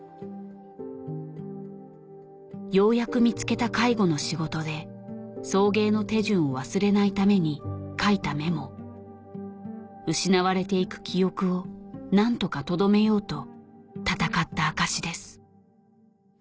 ようやく見つけた介護の仕事で送迎の手順を忘れないために書いたメモ失われていく記憶を何とかとどめようと闘った証しです